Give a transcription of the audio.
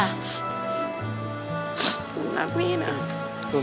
หนูรักพี่นะ